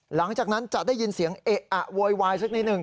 หลังจากนั้นจะได้ยินเสียงเอะอะโวยวายสักนิดหนึ่ง